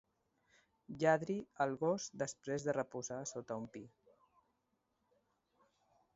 Lladri el gos després de reposar sota un pi.